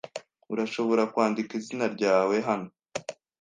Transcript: Urashobora kwandika izina ryawe hano?